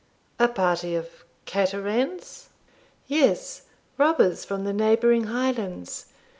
'A party of Caterans?' 'Yes; robbers from the neighbouring Highlands.